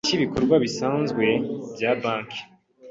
cy ibikorwa bisanzwe bya banki